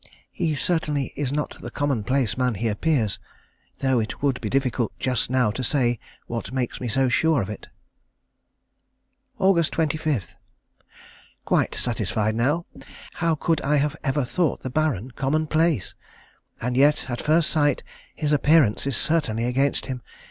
He certainly is not the common place man he appears, though it would be difficult just now to say what makes me so sure of it. Aug. 25. Quite satisfied now. How could I have ever thought the Baron common place! And yet, at first sight, his appearance is certainly against him.